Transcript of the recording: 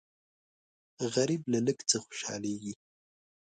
غریب له لږ څه خوشالېږي